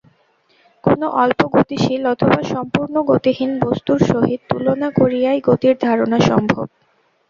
কোন অল্প গতিশীল অথবা সম্পূর্ণ গতিহীন বস্তুর সহিত তুলনা করিয়াই গতির ধারণা সম্ভব।